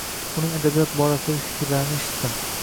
Uning adabiyot borasidagi fikrlarini eshitdim.